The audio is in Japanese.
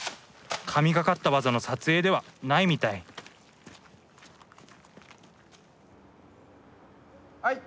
神がかった技の撮影ではないみたいはい。